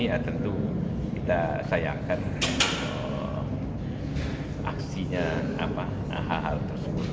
ya tentu kita sayangkan aksinya hal hal tersebut